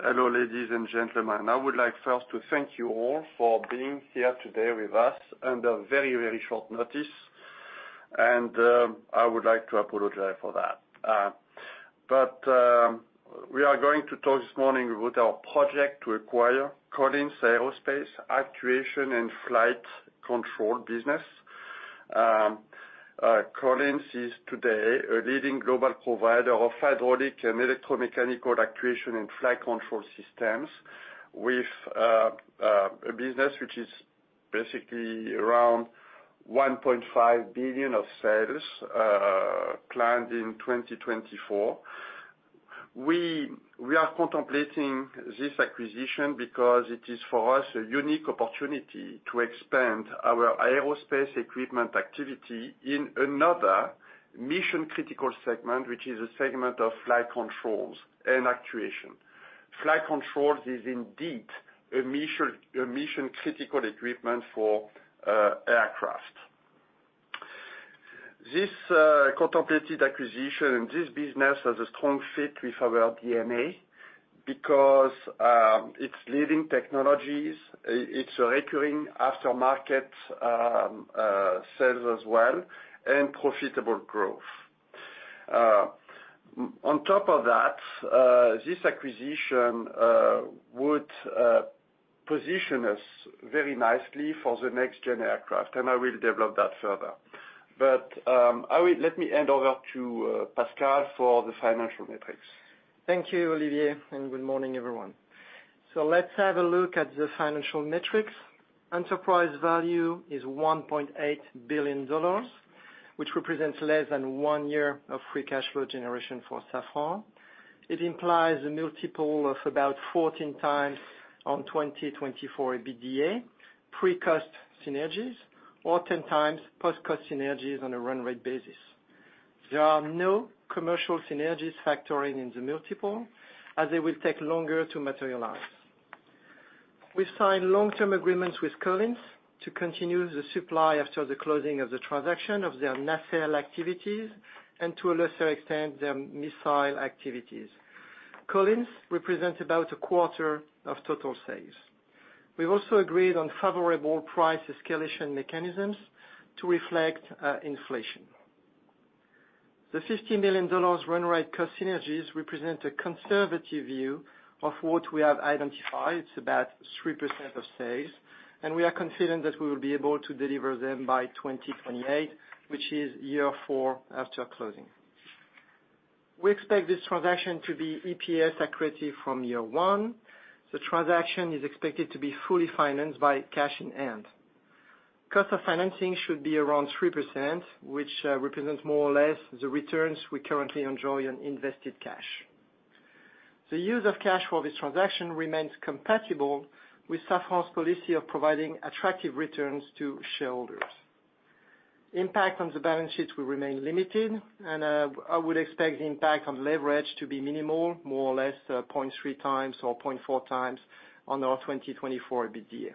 Hello, ladies and gentlemen. I would like first to thank you all for being here today with us under very, very short notice, and I would like to apologize for that. We are going to talk this morning about our project to acquire Collins Aerospace Actuation and Flight Control business. Collins is today a leading global provider of hydraulic and electromechanical actuation and flight control systems with a business which is basically around 1.5 billion of sales planned in 2024. We are contemplating this acquisition because it is, for us, a unique opportunity to expand our aerospace equipment activity in another mission-critical segment, which is a segment of flight controls and actuation. Flight controls is indeed a mission-critical equipment for aircraft. This contemplated acquisition and this business has a strong fit with our DNA because it's leading technologies, it's recurring aftermarket sales as well, and profitable growth. On top of that, this acquisition would position us very nicely for the next-generation aircraft, and I will develop that further. Let me hand over to Pascal for the financial metrics. Thank you, Olivier, good morning, everyone. Let's have a look at the financial metrics. Enterprise value is $1.8 billion, which represents less than one year of free cash flow generation for Safran. It implies a multiple of about 14x on 2024 EBITDA, pre-cost synergies, or 10x post-cost synergies on a run rate basis. There are no commercial synergies factoring in the multiple, as they will take longer to materialize. We've signed long-term agreements with Collins to continue the supply after the closing of the transaction of their nacelle activities and, to a lesser extent, their missile activities. Collins represents about a quarter of total sales. We've also agreed on favorable price escalation mechanisms to reflect inflation. The $50 million run rate cost synergies represent a conservative view of what we have identified. It's about 3% of sales, we are confident that we will be able to deliver them by 2028, which is year four after closing. We expect this transaction to be EPS accretive from year one. The transaction is expected to be fully financed by cash in hand. Cost of financing should be around 3%, which represents more or less the returns we currently enjoy on invested cash. The use of cash for this transaction remains compatible with Safran's policy of providing attractive returns to shareholders. Impact on the balance sheet will remain limited, I would expect the impact on leverage to be minimal, more or less, 0.3x or 0.4x on our 2024 EBITDA.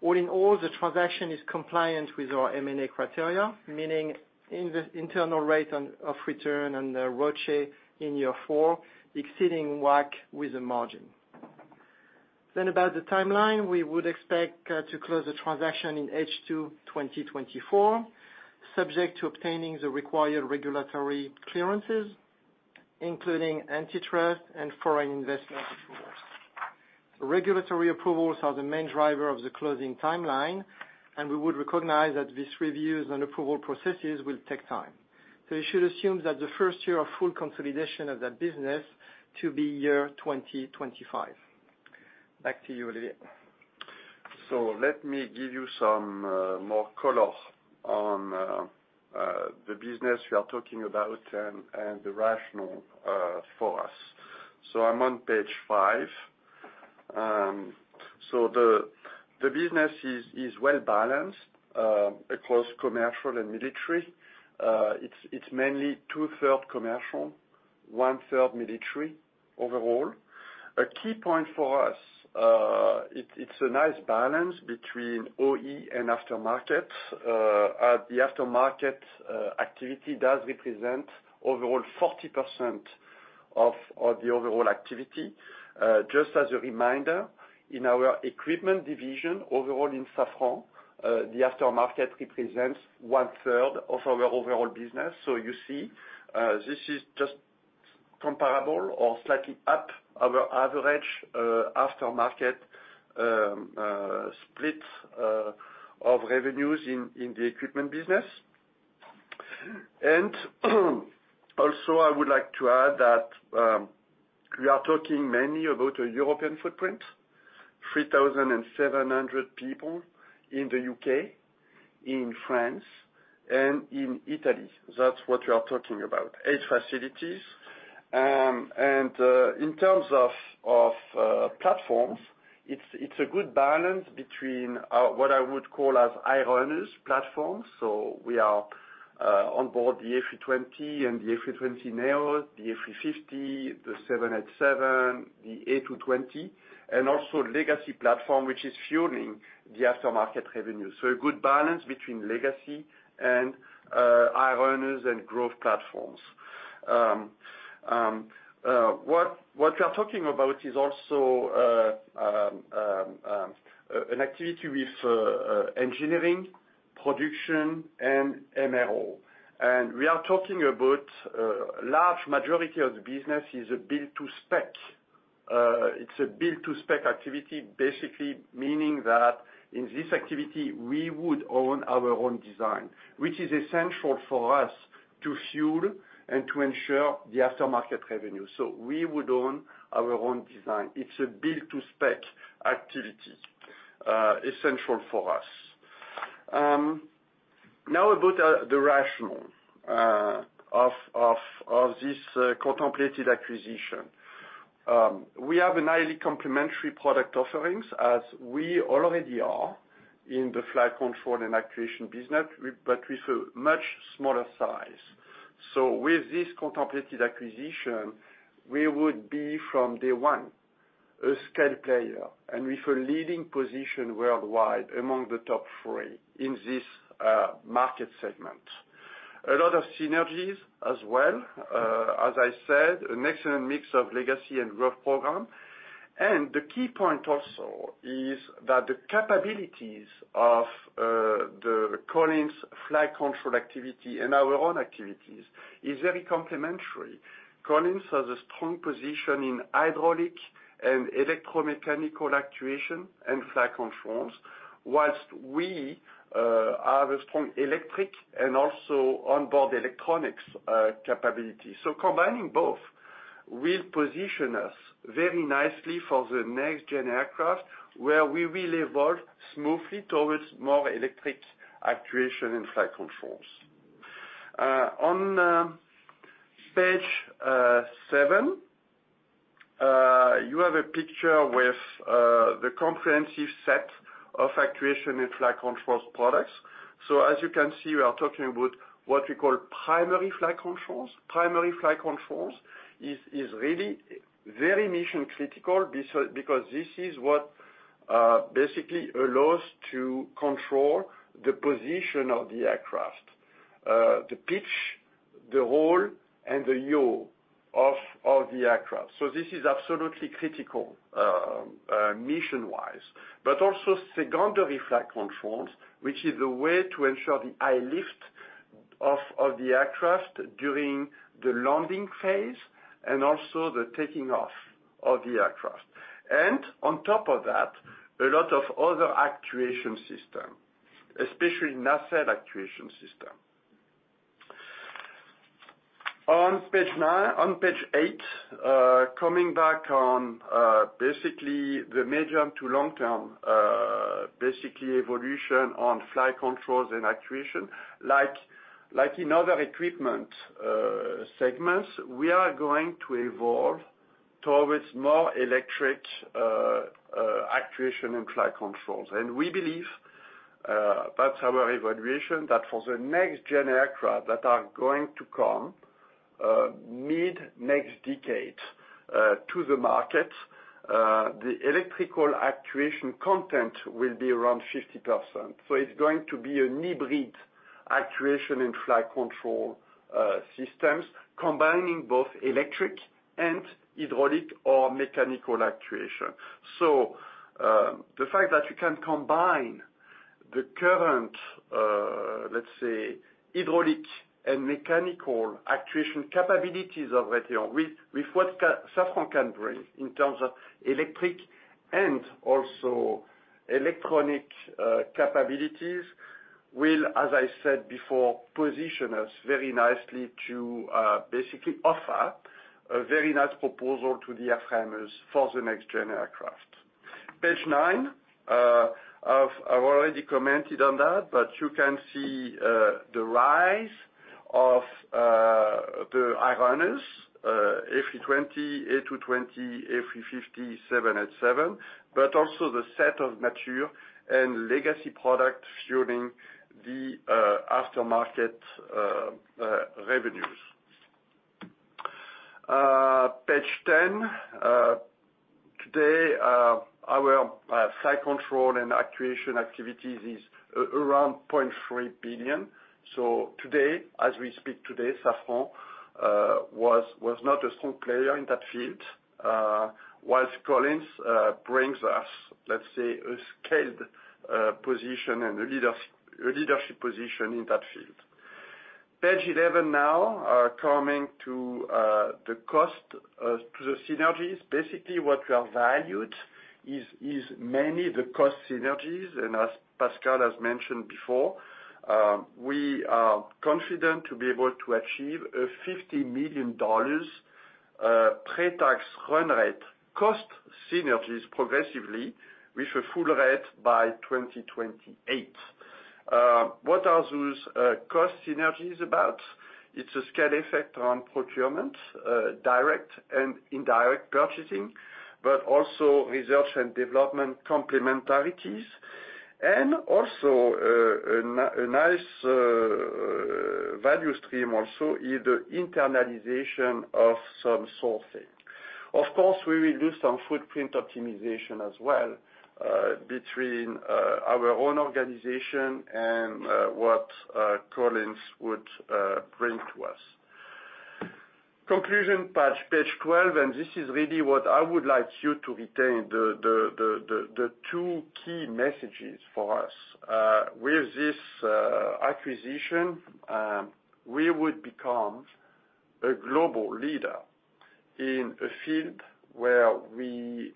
All in all, the transaction is compliant with our M&A criteria, meaning in the internal rate of return and the ROCE in year four, exceeding WACC with a margin. About the timeline, we would expect to close the transaction in H2 2024, subject to obtaining the required regulatory clearances, including antitrust and foreign investment approvals. Regulatory approvals are the main driver of the closing timeline, we would recognize that these reviews and approval processes will take time. You should assume that the first year of full consolidation of that business to be year 2025. Back to you, Olivier. Let me give you some more color on the business we are talking about and the rationale for us. I'm on page five. The business is well-balanced across commercial and military. It's mainly 2/3 commercial, 1/3 military overall. A key point for us, it's a nice balance between OE and aftermarket. The aftermarket activity does represent overall 40% of the overall activity. Just as a reminder, in our equipment division, overall in Safran, the aftermarket represents 1/3 of our overall business. You see, this is just comparable or slightly up our average aftermarket split of revenues in the equipment business. I would like to add that we are talking mainly about a European footprint, 3,700 people in the U.K., in France, and in Italy. That's what we are talking about, eight facilities. In terms of platforms, it's a good balance between what I would call as high earners platforms. We are on board the A320 and the A320neo, the A350, the 787, the A220, and also legacy platform, which is fueling the aftermarket revenue. A good balance between legacy and high earners and growth platforms. What we are talking about is also an activity with engineering, production, and MRO. We are talking about large majority of the business is a build to spec. It's a build to spec activity, basically meaning that in this activity, we would own our own design, which is essential for us to fuel and to ensure the aftermarket revenue. We would own our own design. It's a build to spec activity, essential for us. Now about the rationale of this contemplated acquisition. We have a highly complementary product offerings, as we already are in the flight control and actuation business, but with a much smaller size. With this contemplated acquisition, we would be, from day one, a scale player and with a leading position worldwide among the top three in this market segment. A lot of synergies as well. As I said, an excellent mix of legacy and growth program. The key point also is that the capabilities of the Collins flight control activity and our own activities is very complementary. Collins has a strong position in hydraulic and electromechanical actuation and flight controls, whilst we have a strong electric and also onboard electronics capability. Combining both will position us very nicely for the next-generation aircraft, where we will evolve smoothly towards more electric actuation and flight controls. On page seven, you have a picture with the comprehensive set of actuation and flight controls products. As you can see, we are talking about what we call primary flight controls. Primary flight controls is really very mission critical, because this is what basically allows to control the position of the aircraft, the pitch, the roll, and the yaw of the aircraft. This is absolutely critical, mission-wise. Also secondary flight controls, which is a way to ensure the high lift of the aircraft during the landing phase, and also the taking off of the aircraft. On top of that, a lot of other actuation system, especially nacelle actuation system. On page eight, coming back on basically the medium to long term, basically, evolution on flight controls and actuation, like in other equipment segments, we are going to evolve towards more electric actuation and flight controls. We believe that's our evaluation, that for the next-generation aircraft that are going to come mid-next decade to the market, the electrical actuation content will be around 50%. It's going to be a hybrid actuation and flight control systems combining both electric and hydraulic or mechanical actuation. The fact that you can combine the current, let's say, hydraulic and mechanical actuation capabilities of Ratier-Figeac with what Safran can bring in terms of electric and also electronic capabilities, will, as I said before, position us very nicely to basically offer a very nice proposal to the airframers for the next-generation aircraft. Page nine, I've already commented on that, you can see the rise of the high-runners, A320, A220, A350, 737 and 777, also the set of mature and legacy products fueling the aftermarket revenues. Page 10, today, our flight control and actuation activities is around 0.3 billion. Today, as we speak today, Safran was not a strong player in that field, whilst Collins brings us, let's say, a scaled position and a leadership position in that field. Page 11 now, coming to the cost, to the synergies. Basically, what we are valued is mainly the cost synergies, and as Pascal has mentioned before, we are confident to be able to achieve a $50 million pre-tax run rate cost synergies progressively with a full rate by 2028. What are those cost synergies about? It's a scale effect on procurement, direct and indirect purchasing, but also research and development complementarities, and also, a nice value stream also is the internalization of some sourcing. Of course, we will do some footprint optimization as well, between our own organization and what Collins would bring to us. Conclusion, page 12, this is really what I would like you to retain, the two key messages for us. With this acquisition, we would become a global leader in a field where we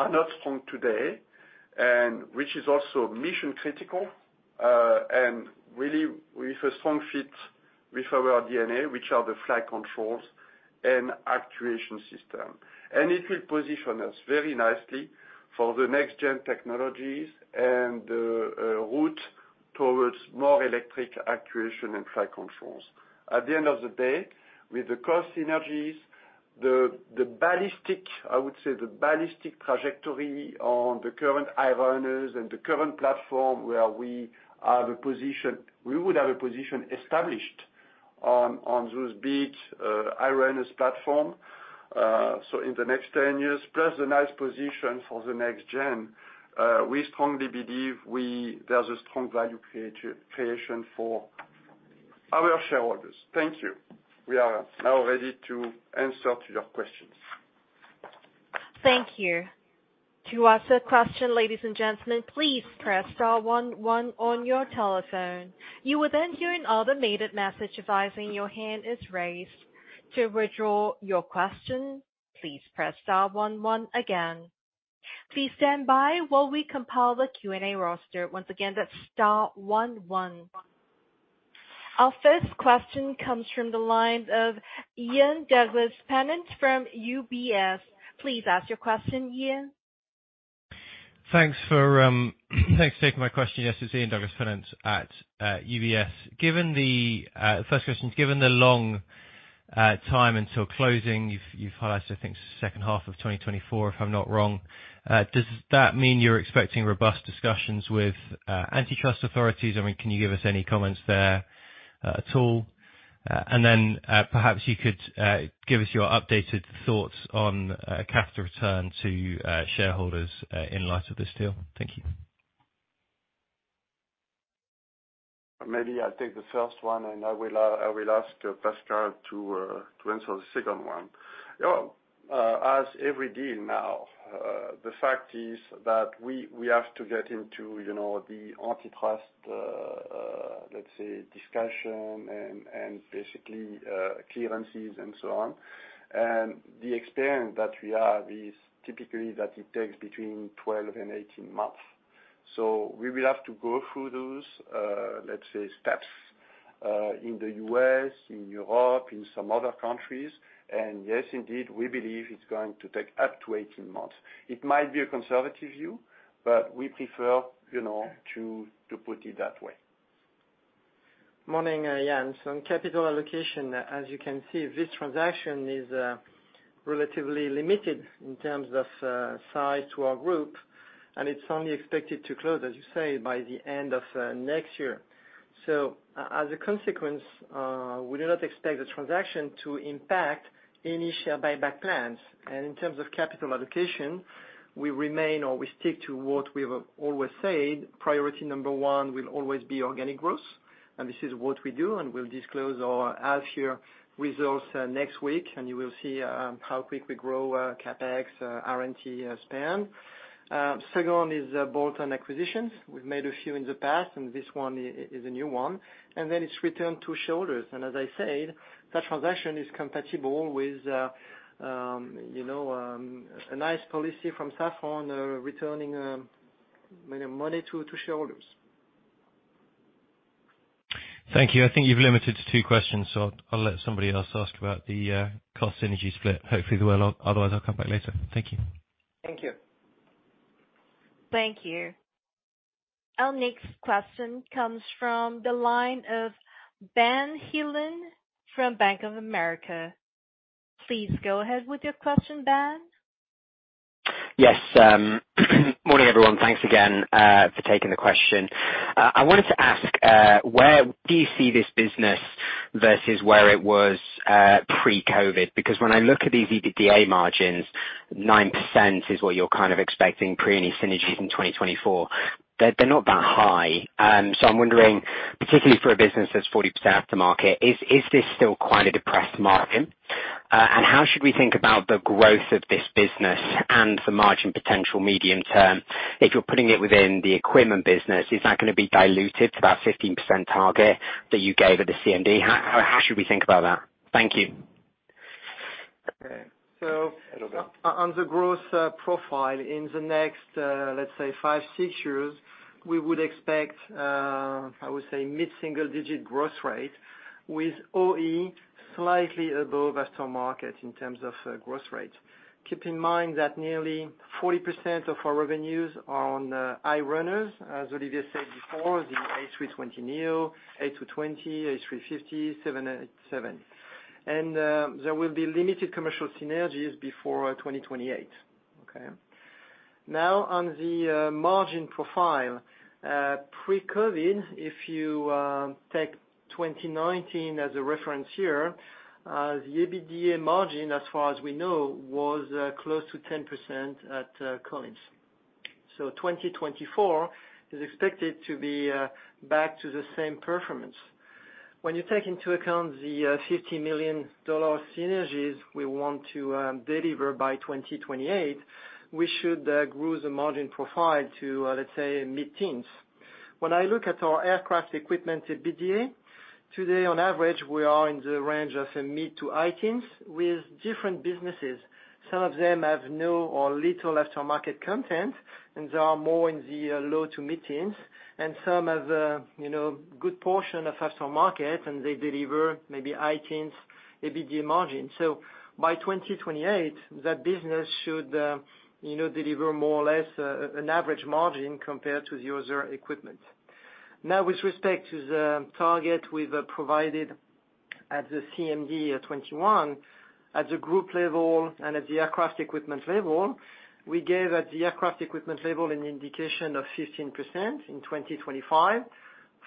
are not strong today and which is also mission critical, and really with a strong fit with our DNA, which are the flight controls and actuation system. It will position us very nicely for the next-gen technologies and route towards more electric actuation and flight controls. At the end of the day, with the cost synergies, the ballistic, I would say, the ballistic trajectory on the current in-runners and the current platform where we would have a position established on those big high-runners platform. In the next 10 years, plus the nice position for the next-gen, we strongly believe there's a strong value creation for our shareholders. Thank you. We are now ready to answer to your questions. Thank you. To ask a question, ladies and gentlemen, please press star one one on your telephone. You will then hear an automated message advising your hand is raised. To withdraw your question, please press star one one again. Please stand by while we compile the Q&A roster. Once again, that's star one one. Our first question comes from the lines of Ian Douglas-Pennant from UBS. Please ask your question, Ian. Thanks for, thanks for taking my question. Yes, it's Ian Douglas-Pennant at UBS. Given the first question, given the long time until closing, you've highlighted, I think, H2 2024, if I'm not wrong. Does that mean you're expecting robust discussions with antitrust authorities? I mean, can you give us any comments there at all? Then, perhaps you could give us your updated thoughts on capital return to shareholders in light of this deal. Thank you. Maybe I'll take the first one, and I will ask Pascal to answer the second one. As every deal now, the fact is that we have to get into, you know, the antitrust, let's say, discussion and basically, clearances and so on. The experience that we have is typically that it takes between 12 and 18 months. We will have to go through those, let's say, steps, in the U.S., in Europe, in some other countries. Yes, indeed, we believe it's going to take up to 18 months. It might be a conservative view, but we prefer, you know, to put it that way. Morning, Ian. On capital allocation, as you can see, this transaction is relatively limited in terms of size to our group, and it's only expected to close, as you say, by the end of next year. As a consequence, we do not expect the transaction to impact any share buyback plans. In terms of capital allocation, we remain or we stick to what we have always said, priority number one will always be organic growth. This is what we do, and we'll disclose our half year results next week, and you will see how quick we grow CapEx, R&D spend. Second one is bolt-on acquisitions. We've made a few in the past, and this one is a new one. It's returned to shareholders. As I said, that transaction is compatible with, you know, a nice policy from Safran, returning money to shareholders. Thank you. I think you've limited to two questions, I'll let somebody else ask about the cost synergy split. Hopefully, they will. Otherwise, I'll come back later. Thank you. Thank you. Thank you. Our next question comes from the line of Ben Heelan from Bank of America. Please go ahead with your question, Ben. Yes, morning, everyone. Thanks again for taking the question. I wanted to ask, where do you see this business versus where it was pre-COVID? When I look at these EBITDA margins, 9% is what you're kind of expecting pre any synergies in 2024. They're not that high. I'm wondering, particularly for a business that's 40% aftermarket, is this still quite a depressed margin? How should we think about the growth of this business and the margin potential medium term? If you're putting it within the equipment business, is that going to be diluted to that 15% target that you gave at the CMD? How should we think about that? Thank you. On the growth profile in the next, let's say five, six years, we would expect I would say mid-single digit growth rate with OE slightly above aftermarket in terms of growth rate. Keep in mind that nearly 40% of our revenues are on in-runners. As Olivier said before, the A320neo, A220, A350, 787. There will be limited commercial synergies before 2028. On the margin profile pre-COVID, if you take 2019 as a reference year, the EBITDA margin, as far as we know, was close to 10% at Collins. 2024 is expected to be back to the same performance. When you take into account the $50 million synergies we want to deliver by 2028, we should grow the margin profile to let's say mid-teens. When I look at our aircraft equipment EBITDA, today, on average, we are in the range of mid to high teens with different businesses. Some of them have no or little aftermarket content, and they are more in the low to mid-teens, and some have, you know, good portion of aftermarket, and they deliver maybe high teens EBITDA margin. By 2028, that business should, you know, deliver more or less an average margin compared to the other equipment. Now, with respect to the target we've provided at the CMD 2021, at the group level and at the aircraft equipment level, we gave at the aircraft equipment level an indication of 15% in 2025.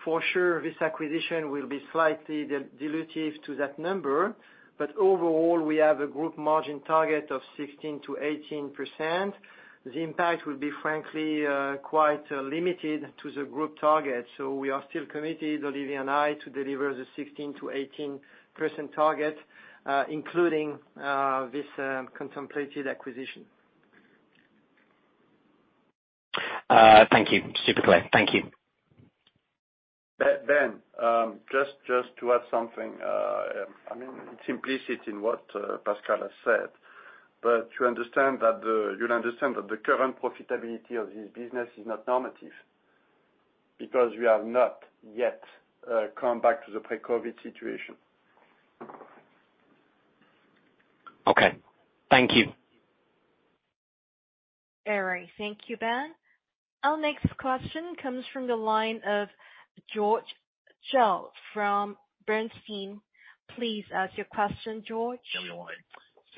For sure, this acquisition will be slightly dilutive to that number, but overall, we have a group margin target of 16%-18%. The impact will be, frankly, quite limited to the group target. We are still committed, Olivier and I, to deliver the 16%-18% target, including this contemplated acquisition. Thank you. Super clear. Thank you. Ben, just to add something, I mean, it's implicit in what Pascal has said, but to understand that you'll understand that the current profitability of this business is not normative, because we have not yet come back to the pre-COVID situation. Okay. Thank you. All right. Thank you, Ben. Our next question comes from the line of George Zhao from Bernstein. Please ask your question, George. Number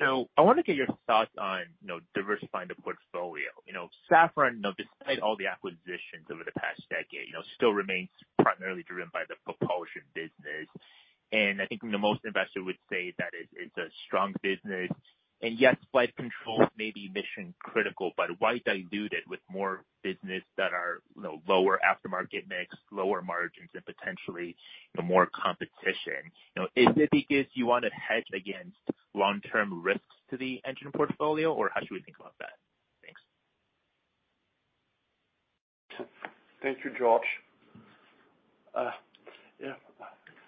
one. I want to get your thoughts on, you know, diversifying the portfolio. You know, Safran, you know, despite all the acquisitions over the past decade, you know, still remains primarily driven by the propulsion business. I think most investors would say that it's a strong business, and yes, flight controls may be mission critical, but why dilute it with more business that are, you know, lower aftermarket mix, lower margins, and potentially, you know, more competition? You know, is it because you want to hedge against long-term risks to the engine portfolio, or how should we think about that? Thanks. Thank you, George. Yeah,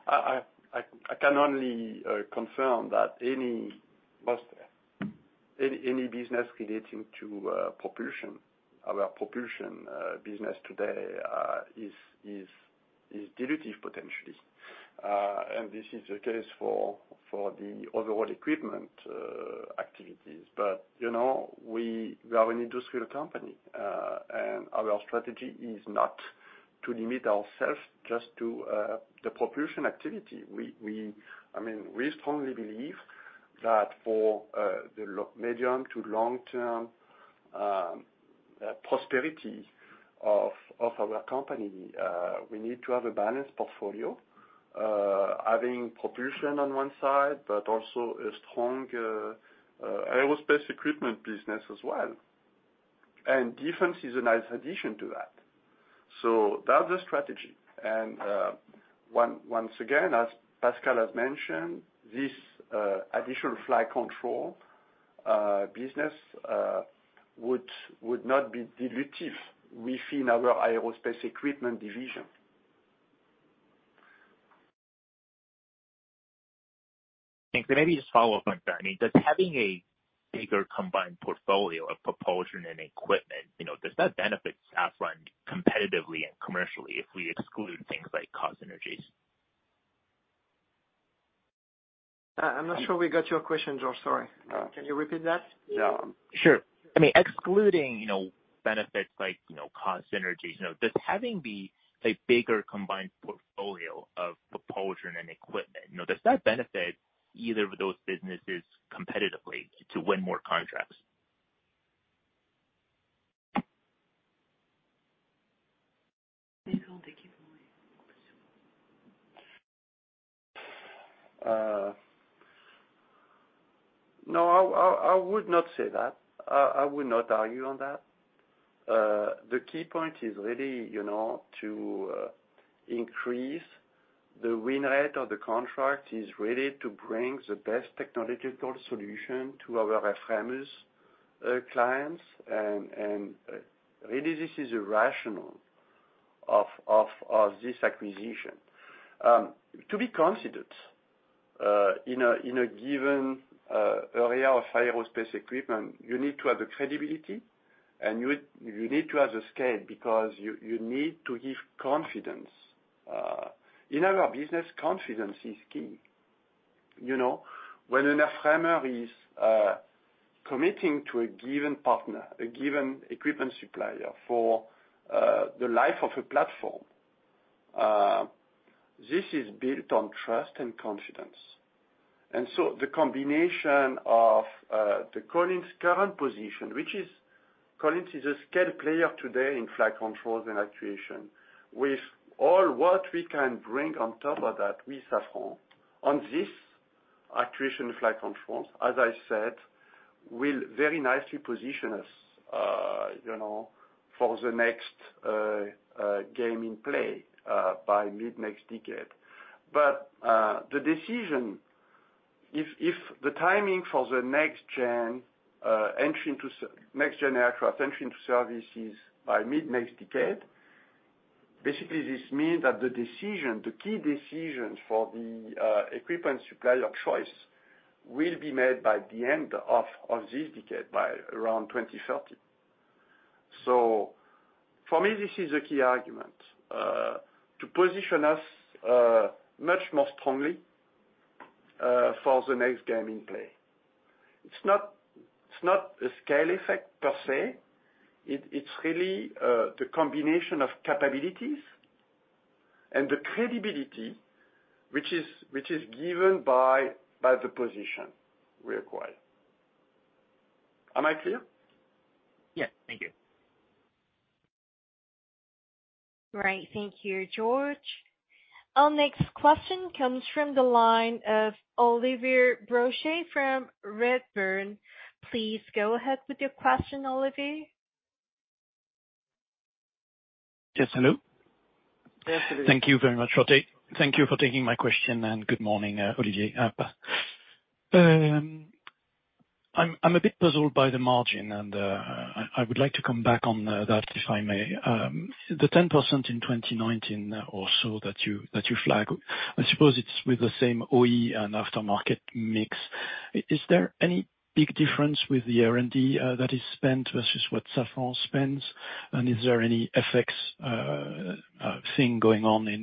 I can only confirm that any business relating to propulsion, our propulsion business today, is dilutive, potentially. This is the case for the overall equipment activities. You know, we are an industrial company, and our strategy is not to limit ourself just to the propulsion activity. I mean, we strongly believe that for the medium to long-term prosperity of our company, we need to have a balanced portfolio, having propulsion on one side, but also a strong aerospace equipment business as well. Defense is a nice addition to that. That's the strategy. Once again, as Pascal has mentioned, this additional flight control business would not be dilutive within our aerospace equipment division. Thanks. Maybe just a follow-up on that. I mean, does having a bigger combined portfolio of propulsion and equipment, you know, does that benefit Safran competitively and commercially if we exclude things like cost synergies? I'm not sure we got your question, George. Sorry. Can you repeat that? Yeah. Sure. I mean, excluding, you know, benefits like, you know, cost synergies, you know, does having the, a bigger combined portfolio of propulsion and equipment, you know, does that benefit either of those businesses competitively to win more contracts? No, I would not say that. I would not argue on that. The key point is really, you know, to increase the win rate or the contract is really to bring the best technological solution to our customers, clients. Really this is a rational of this acquisition. To be considered in a given area of aerospace equipment, you need to have the credibility, and you need to have the scale because you need to give confidence. In our business, confidence is key. You know, when an airframer is committing to a given partner, a given equipment supplier for the life of a platform. This is built on trust and confidence. The combination of the Collins current position, which is Collins is a scale player today in flight controls and actuation. With all what we can bring on top of that with Safran, on this actuation flight controls, as I said, will very nicely position us, you know, for the next game in play by mid-next decade. The decision if the timing for the next-gen aircraft entry into services by mid-next decade, basically, this means that the decision, the key decisions for the equipment supplier of choice will be made by the end of this decade, by around 2030. For me, this is a key argument to position us much more strongly for the next game in play. It's not a scale effect per se. It's really the combination of capabilities and the credibility, which is given by the position we acquired. Am I clear? Yes. Thank you. Right. Thank you, George. Our next question comes from the line of Olivier Brochet from Redburn. Please go ahead with your question, Olivier. Yes, hello. Yes, hello. Thank you very much. Thank you for taking my question, good morning, Olivier. I'm a bit puzzled by the margin, I would like to come back on that if I may. The 10% in 2019 or so that you flag, I suppose it's with the same OE and aftermarket mix. Is there any big difference with the R&D that is spent versus what Safran spends? Is there any FX thing going on in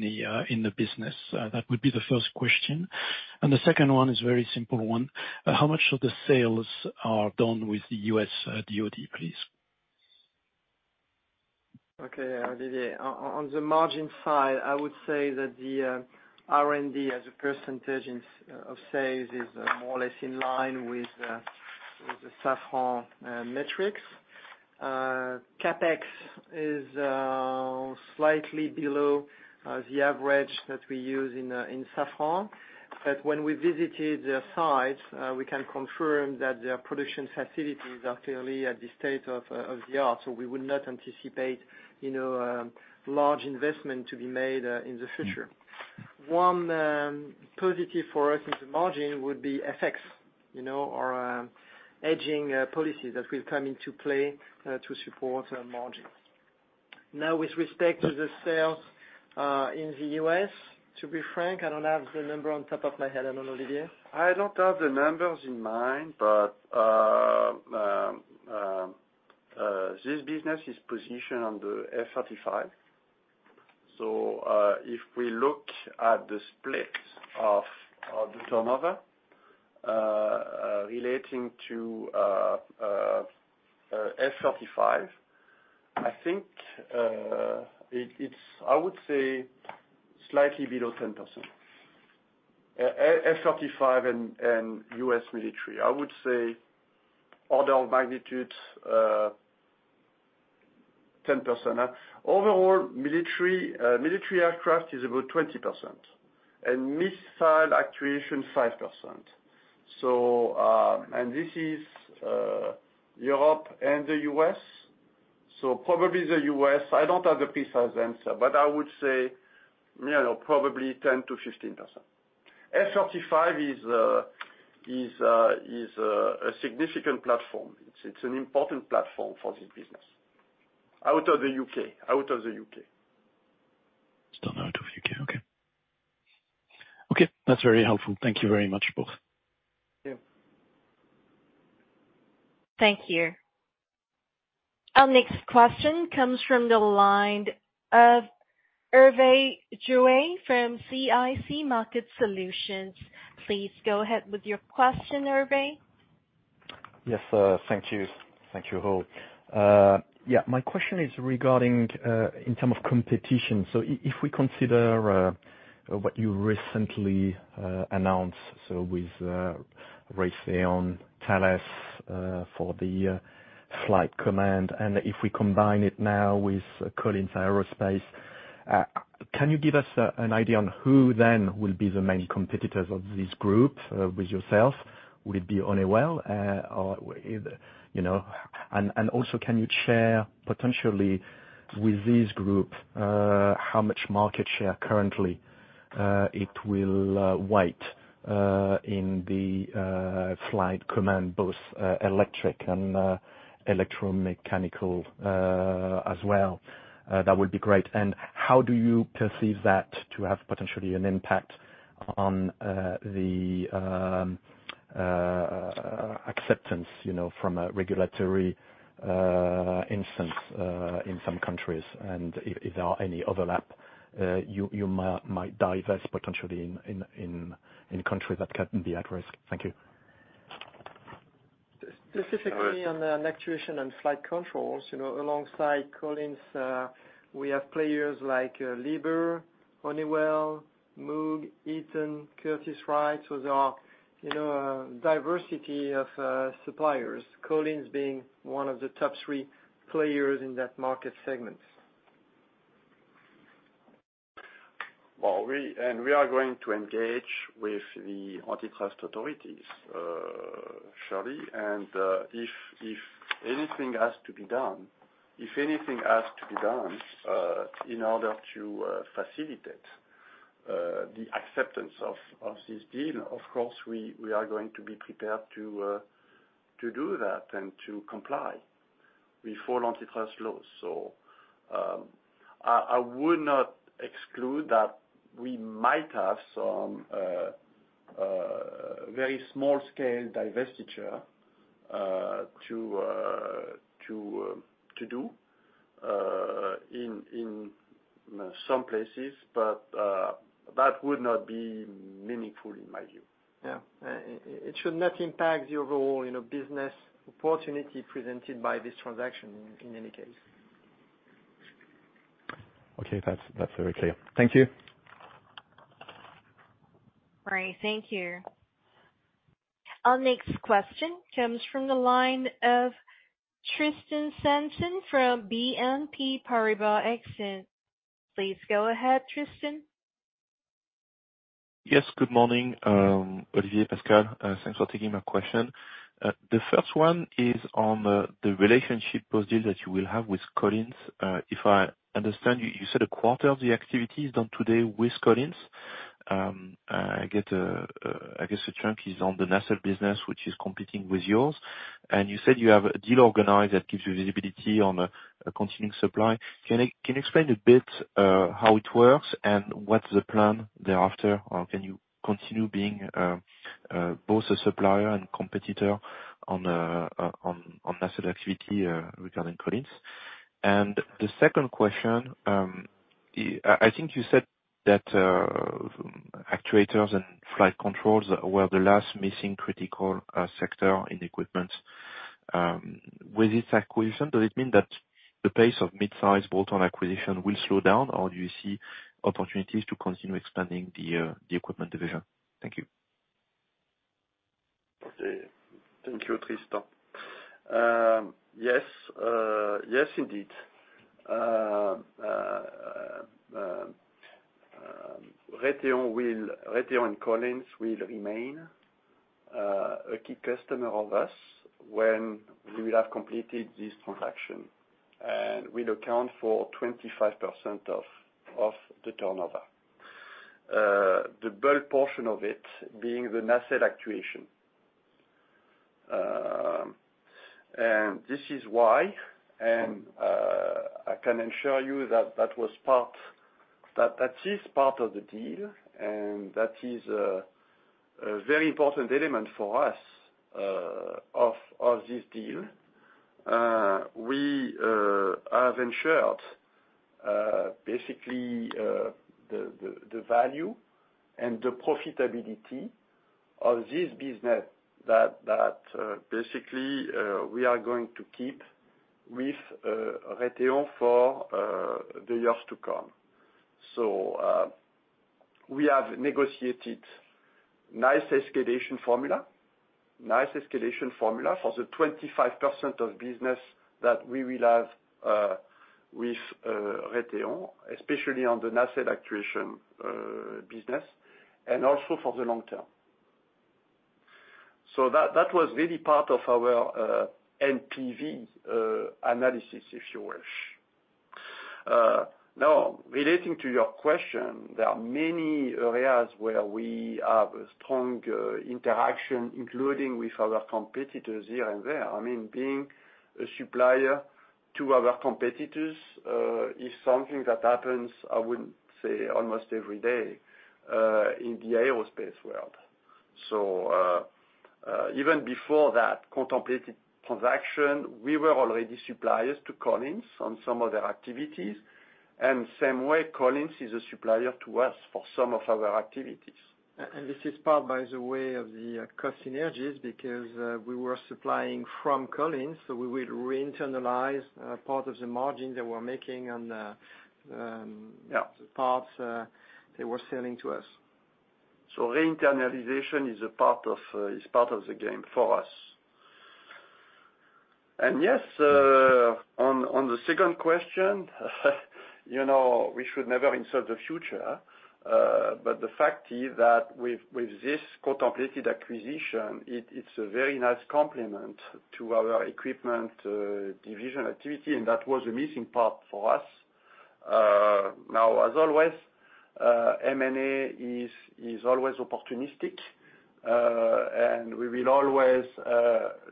the business? That would be the first question. The second one is very simple one. How much of the sales are done with the U.S. DOD, please? Okay, Olivier. On the margin side, I would say that the R&D as a % of sales is more or less in line with the Safran metrics. CapEx is slightly below the average that we use in Safran. When we visited their sites, we can confirm that their production facilities are clearly at the state of the art. We would not anticipate, you know, large investment to be made in the future. One positive for us with the margin would be FX, you know, or hedging policies that will come into play to support margins. Now, with respect to the sales in the U.S., to be frank, I don't have the number on top of my head. I don't know, Olivier? I don't have the numbers in mind, but this business is positioned on the F-35. If we look at the split of the turnover relating to F-35, I think it's I would say slightly below 10%. F-35 and U.S. military, I would say, order of magnitude, 10%. Overall military aircraft is about 20%, and missile actuation, 5%. And this is Europe and the US, so probably the US, I don't have the precise answer, but I would say, you know, probably 10%-15%. F-35 is a significant platform. It's an important platform for this business, out of the U.K. Still out of U.K. Okay. Okay, that's very helpful. Thank you very much, both. Yeah. Thank you. Our next question comes from the line of Hervé Drouet from CIC Market Solutions. Please go ahead with your question, Hervé. Yes, thank you. Thank you, all. My question is regarding in term of competition. If we consider what you recently announced, so with Raytheon, Thales, for the flight control, and if we combine it now with Collins Aerospace, can you give us an idea on who then will be the main competitors of this group with yourself? Would it be Honeywell, or either, you know? Also, can you share potentially with this group how much market share currently it will weight in the flight control, both electric and electromechanical as well? That would be great. How do you perceive that to have potentially an impact on the acceptance, you know, from a regulatory instance in some countries? If there are any overlap, you might divest potentially in countries that can be at risk. Thank you. Specifically on the actuation and flight controls, you know, alongside Collins, we have players like Liebherr, Honeywell, Moog, Eaton, Curtiss-Wright. There are, you know, diversity of suppliers, Collins being one of the top three players in that market segment. Well, we are going to engage with the antitrust authorities, surely. If anything has to be done, in order to facilitate the acceptance of this deal, of course, we are going to be prepared to do that and to comply. We follow antitrust laws. I would not exclude that we might have some very small-scale divestiture to do in some places. That would not be meaningful in my view. Yeah. It should not impact the overall, you know, business opportunity presented by this transaction in any case. Okay. That's very clear. Thank you. Great. Thank you. Our next question comes from the line of Tristan Sanson from BNP Paribas Exane. Please go ahead, Tristan. Yes, good morning, Olivier, Pascal. Thanks for taking my question. The first one is on the relationship positive that you will have with Collins. If I understand you said a quarter of the activity is done today with Collins. I get a, I guess a chunk is on the nacelle business, which is competing with yours, and you said you have a deal organized that gives you visibility on a continuing supply. Can you explain a bit how it works and what's the plan thereafter? Can you continue being both a supplier and competitor on nacelle activity regarding Collins? The second question, I think you said that actuators and flight controls were the last missing critical sector in equipment. With this acquisition, does it mean that the pace of mid-size bolt-on acquisition will slow down, or do you see opportunities to continue expanding the equipment division? Thank you. Okay. Thank you, Tristan. Yes, indeed. RTX Collins will remain a key customer of us when we will have completed this transaction, and will account for 25% of the turnover. The bulk portion of it being the nacelle actuation. This is why, and I can assure you that that was part. That is part of the deal, and that is a very important element for us of this deal. We have ensured basically the value and the profitability of this business, that basically we are going to keep with RTX for the years to come. We have negotiated nice escalation formula for the 25% of business that we will have with Raytheon, especially on the nacelle actuation business, and also for the long term. That was really part of our NPV analysis, if you wish. Now, relating to your question, there are many areas where we have a strong interaction, including with other competitors here and there. I mean, being a supplier to our competitors is something that happens, I would say, almost every day in the aerospace world. Even before that contemplated transaction, we were already suppliers to Collins on some of their activities, and same way, Collins is a supplier to us for some of our activities. This is part, by the way, of the cost synergies, because we were supplying from Collins, so we will re-internalize part of the margin they were making on the. Yeah... parts, they were selling to us. Re-internalization is a part of the game for us. Yes, on the second question, you know, we should never insult the future, but the fact is that with this contemplated acquisition, it's a very nice complement to our equipment division activity, and that was the missing part for us. As always, M&A is always opportunistic, and we will always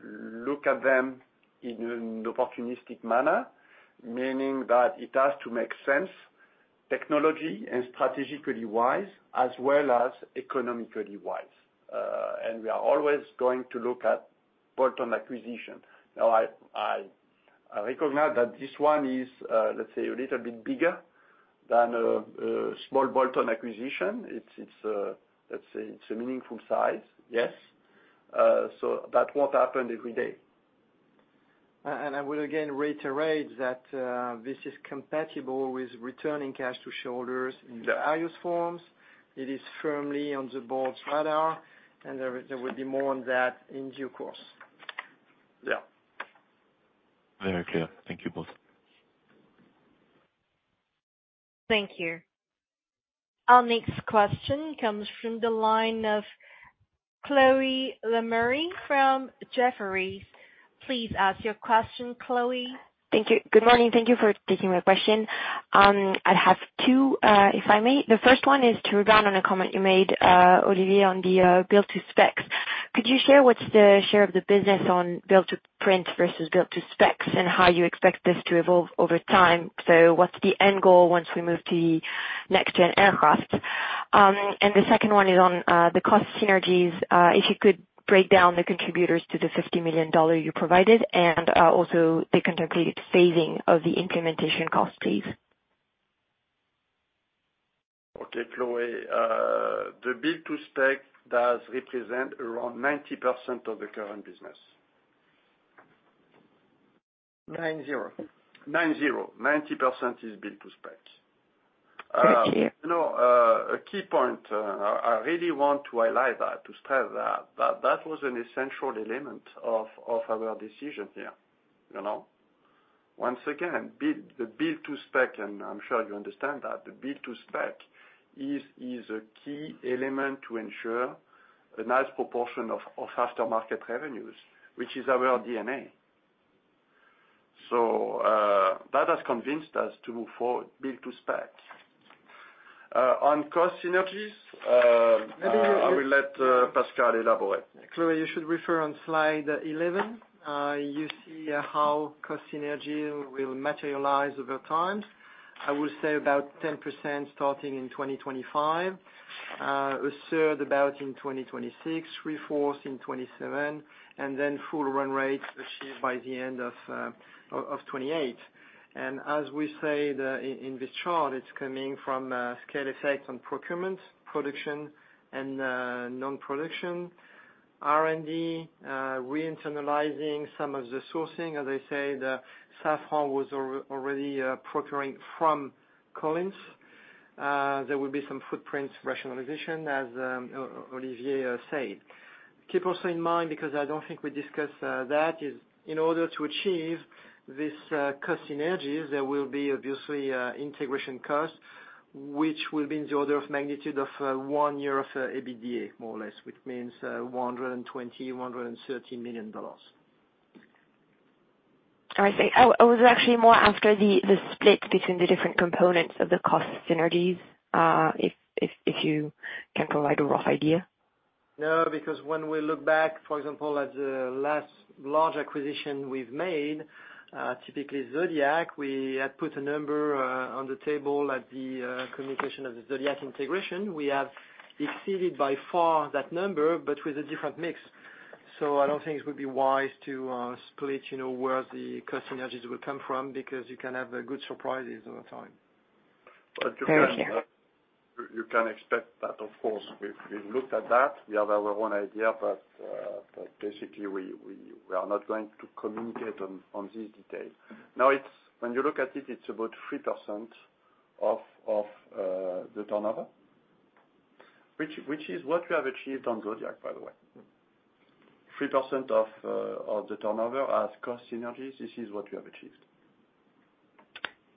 look at them in an opportunistic manner. Meaning that it has to make sense, technology and strategically wise, as well as economically wise, and we are always going to look at bolt-on acquisition. I recognize that this one is, let's say, a little bit bigger than a small bolt-on acquisition. It's, let's say, it's a meaningful size, yes. That won't happen every day. I will again reiterate that this is compatible with returning cash to shareholders in the highest forms. It is firmly on the board's radar, and there will be more on that in due course. Yeah. Very clear. Thank you both. Thank you. Our next question comes from the line of Chloé Lemarié from Jefferies. Please ask your question, Chloé. Thank you. Good morning, thank you for taking my question. I have two, if I may. The first one is to double down on a comment you made, Olivier, on the build to specs. Could you share what's the share of the business on build to print versus build to specs, and how you expect this to evolve over time? What's the end goal once we move to the next gen aircraft? The second one is on the cost synergies. If you could break down the contributors to the $50 million you provided and also the contemplated phasing of the implementation cost, please. Okay, Chloé, the build to spec does represent around 90% of the current business. 90. 90. 90% is build to spec. Thank you. You know, a key point, I really want to highlight that, to stress that was an essential element of our decision here, you know. Once again, the build to spec, and I'm sure you understand that, the build to spec is a key element to ensure a nice proportion of aftermarket revenues, which is our DNA. That has convinced us to move forward build to spec. On cost synergies, Maybe. I will let Pascal elaborate. Chloé, you should refer on slide 11. You see how cost synergy will materialize over time. I will say about 10% starting in 2025, a third about in 2026, three-fourths in 2027, and then full run rate achieved by the end of 2028. As we say, in this chart, it's coming from scale effects on procurement, production, and non-production. R&D, re-internalizing some of the sourcing, as I said, Safran was already procuring from Collins. There will be some footprints rationalization, as Olivier said. Keep also in mind, because I don't think we discussed, that, is in order to achieve this, cost synergies, there will be obviously, integration costs, which will be in the order of magnitude of, one year of, EBITDA, more or less, which means, $120 million-$130 million. I see. I was actually more after the split between the different components of the cost synergies, if you can provide a rough idea? When we look back, for example, at the last large acquisition we've made, typically Zodiac Aerospace, we had put a number on the table at the communication of the Zodiac Aerospace integration. We have exceeded by far that number, but with a different mix. I don't think it would be wise to split, you know, where the cost synergies will come from, because you can have good surprises over time. Thank you. You can expect that, of course, we've looked at that. We have our own idea, but basically, we are not going to communicate on this detail. When you look at it's about 3% of the turnover, which is what we have achieved on Zodiac, by the way. 3% of the turnover as cost synergies, this is what we have achieved.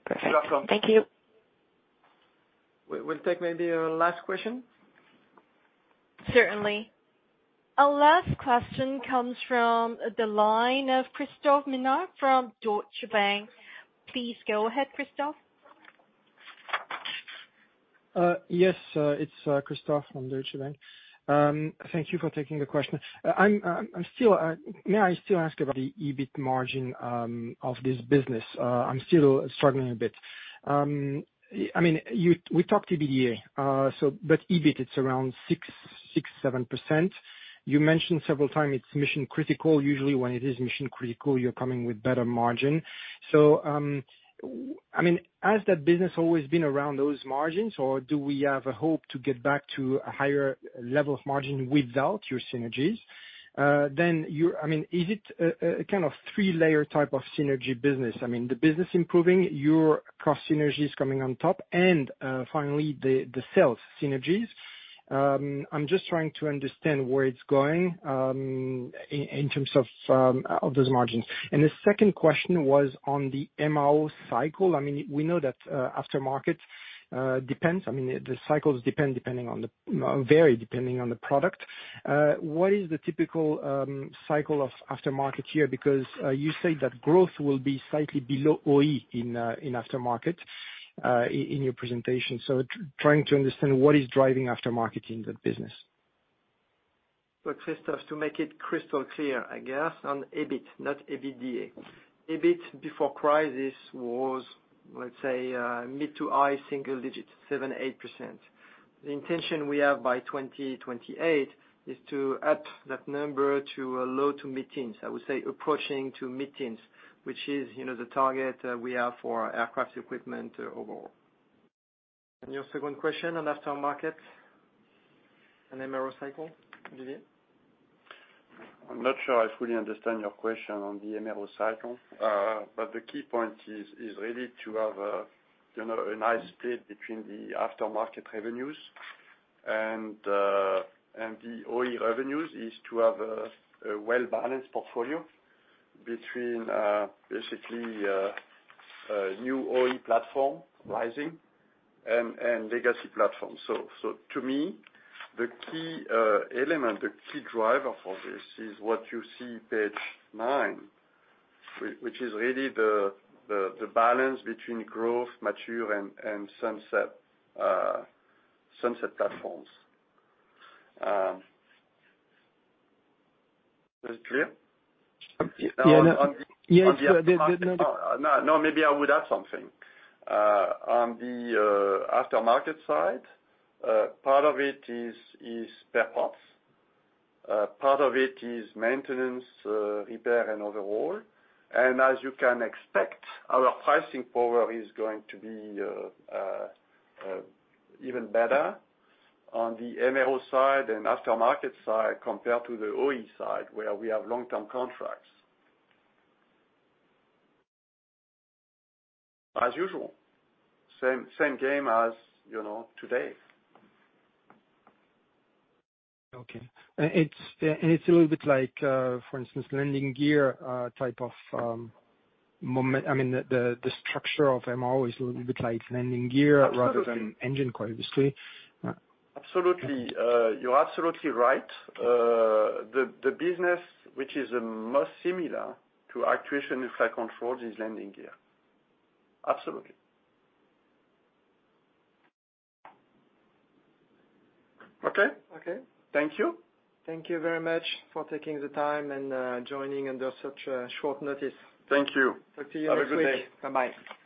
Perfect. You're welcome. Thank you. We'll take maybe a last question. Certainly. Our last question comes from the line of Christophe Ménard from Deutsche Bank. Please go ahead, Christophe. It's Christophe Ménard from Deutsche Bank. Thank you for taking the question. May I still ask about the EBIT margin of this business? I'm still struggling a bit. I mean, we talked to EBITDA, but EBIT, it's around 6%-7%. You mentioned several times it's mission critical. Usually, when it is mission critical, you're coming with better margin. I mean, has that business always been around those margins, or do we have a hope to get back to a higher level of margin without your synergies? I mean, is it a kind of three-layer type of synergy business? I mean, the business improving, your cost synergies coming on top, and finally, the sales synergies. I'm just trying to understand where it's going in terms of those margins. The second question was on the MRO cycle. I mean, we know that aftermarket depends. I mean, the cycles vary, depending on the product. What is the typical cycle of aftermarket here? You said that growth will be slightly below OE in aftermarket in your presentation. Trying to understand what is driving aftermarket in that business. Christophe, to make it crystal clear, I guess, on EBIT, not EBITDA. EBIT before crisis was? let's say, mid to high single digits, 7%, 8%. The intention we have by 2028 is to up that number to a low to mid-teens. I would say approaching to mid-teens, which is, you know, the target we have for our aircraft equipment overall. Your second question on aftermarket and MRO cycle, Olivier? I'm not sure I fully understand your question on the MRO cycle. The key point is really to have a, you know, a nice split between the aftermarket revenues and the OE revenues, is to have a well-balanced portfolio between basically a new OE platform rising and legacy platform. So to me, the key element, the key driver for this is what you see page nine, which is really the balance between growth, mature, and sunset platforms. Is it clear? Yeah. Yeah, it's. No, no, maybe I would add something. On the aftermarket side, part of it is spare parts. Part of it is maintenance, repair and overhaul. As you can expect, our pricing power is going to be even better on the MRO side and aftermarket side, compared to the OE side, where we have long-term contracts. As usual, same game as, you know, today. Okay. It's a little bit like, for instance, landing gear, type of, I mean, the, the structure of MRO is a little bit like landing gear rather than engine, quite obviously. Absolutely. You're absolutely right. The business which is the most similar to actuation and flight control is landing gear. Absolutely. Okay? Okay. Thank you. Thank you very much for taking the time and joining under such a short notice. Thank you. Talk to you next week. Have a good day. Bye-bye.